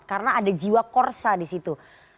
karena ada jiwa korsa di situ